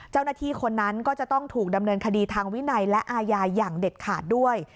เจ้าหน้าที่คนนั้นก็จะต้องถูกดำเนินคดีทางวินัยและอาญาอย่างเด็ดขาดด้วย